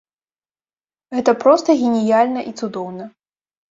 Гэта проста геніяльна і цудоўна!